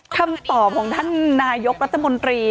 คำตอบของท่านนายกรัฐมนตรี